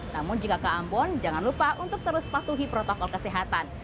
namun jika ke ambon jangan lupa untuk terus patuhi protokol kesehatan